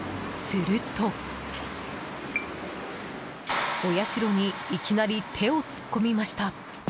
すると、お社にいきなり手を突っ込みました。